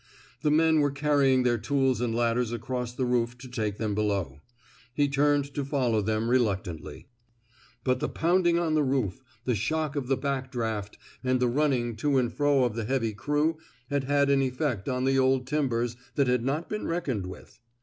The men were carrying their tools and ladders across the roof to take them below. He turned to follow them reluctantly. But the pounding on the roof, the shock of the back draft, and the running to and fro of the heavy crew had had an effect on the old timbers that had not been reckoned with.